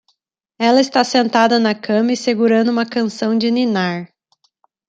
Ela está sentada na cama e segurando uma canção de ninar